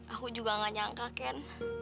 aku juga gak nyangka ken